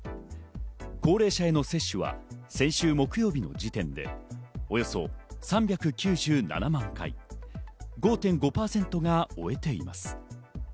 高齢者への接種は先週木曜日の時点でおよそ３９７万回、５．５％が終えています。